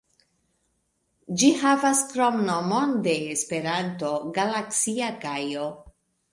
Ĝi havas kromnomon de Esperanto, "Galaksia Kajo".